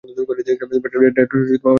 ডেট্রয়েটে মাত্র তিন দিন ছিলাম।